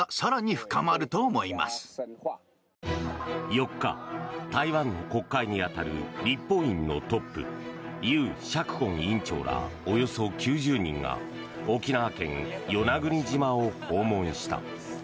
４日、台湾の国会に当たる立法院のトップユウ・シャクコン院長らおよそ９０人が沖縄県与那国島を訪問した。